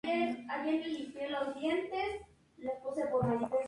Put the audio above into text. Es el decimosexto monasterio de la jerarquía de los monasterios de la Montaña Sagrada.